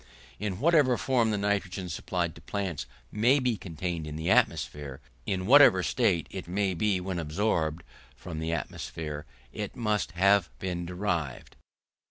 In whatever form the nitrogen supplied to plants may be contained in the atmosphere, in whatever state it may be when absorbed, from the atmosphere it must have been derived.